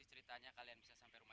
senang ya dadah semua